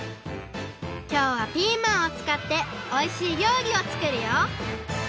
きょうはピーマンをつかっておいしい料理を作るよ！